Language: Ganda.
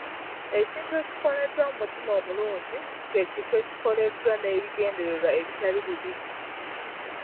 Ekintu ekikoleddwa mu mutima omulungi ky'ekintu ekikoleddwa n'ebigendererwa ebitali bibi.